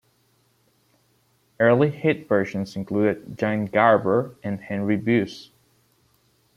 Early hit versions included Jan Garber and Henry Busse.